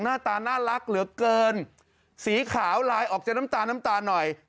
หน้าตาน่ารักเหลือเกินสีขาวลายออกจากน้ำตาลน้ำตาหน่อย